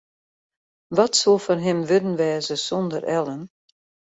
Wat soe fan him wurden wêze sonder Ellen?